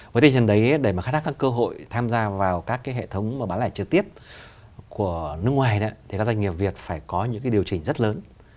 với tình trạng đấy để mà khai thác các cơ hội tham gia vào các cái hệ thống mà bán lại trực tiếp của nước ngoài thì các doanh nghiệp việt phải có những cái điều chỉnh rất lớn